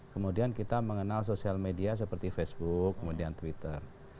kemudian kita mengenal sosial media seperti facebook kemudian twitter